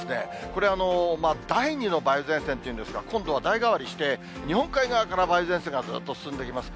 これ、第２の梅雨前線というんですか、今度は代替わりして、日本海側から梅雨前線がずっと進んできます。